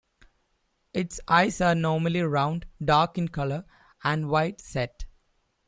Its eyes are normally round, dark in colour, and wide set.